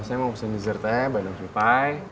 saya mau pesen desertnya